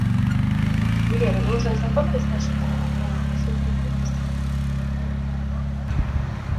Coker was married twice.